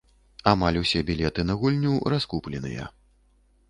Амаль усе білеты на гульню раскупленыя.